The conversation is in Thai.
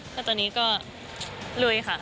แล้วตอนนี้ก็รุ้ยค่ะ